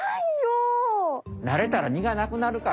なれたらにがなくなるから。